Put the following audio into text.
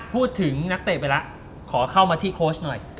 พูดถึงนักเตะไปแล้วขอเข้ามาที่โค้ชหน่อย